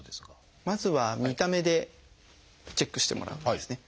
まずは見た目でチェックしてもらうんですね。